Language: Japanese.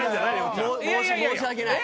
申し訳ない。